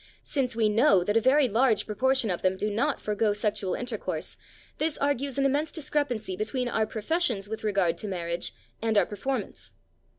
Since we know that a very large proportion of them do not forgo sexual intercourse, this argues an immense discrepancy between our professions with regard to marriage and our performance.